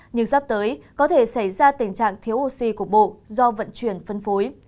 nhưng sắp tới có thể xảy ra tình trạng thiếu oxy của bộ do vận chuyển phân phối